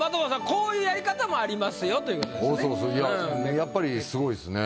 こういうやり方もありますよという事ですね。